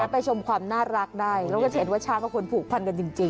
ไปชมความน่ารักได้แล้วก็จะเห็นว่าช้างก็ควรผูกพันกันจริง